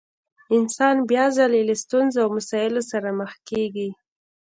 انسان بيا ځلې له ستونزو او مسايلو سره مخ کېږي.